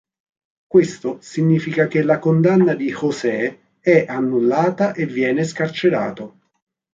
Questo significa che la condanna di José è annullata e viene scarcerato.